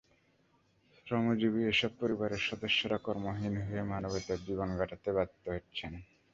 শ্রমজীবী এসব পরিবারের সদস্যরা কর্মহীন হয়ে মানবেতর জীবন কাটাতে বাধ্য হচ্ছেন।